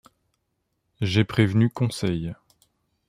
J’ai prévenu Conseil.